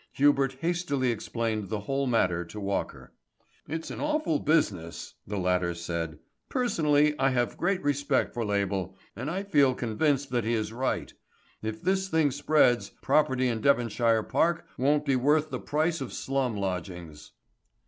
Hubert hastily explained the whole matter to Walker. "It's an awful business," the latter said. "Personally, I have a great respect for Label, and I feel convinced that he is right. If this thing spreads, property in Devonshire Park won't be worth the price of slum lodgings."